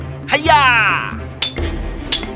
keduanya bertarung dengan gagah berani